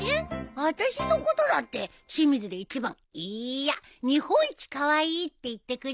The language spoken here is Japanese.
私のことだって清水で一番いいや日本一カワイイって言ってくれるよ。